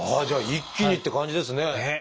じゃあ一気にって感じですね。